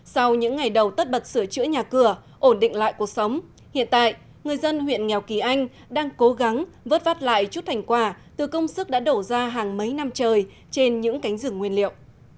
sau những ngày đầu tất bật sửa chữa nhà cửa ổn định lại cuộc sống hiện tại người dân huyện nghèo kỳ anh đang cố gắng vớt vát lại chút thành quả từ công sức đã đổ ra hàng mấy năm trời trên những cánh rừng nguyên liệu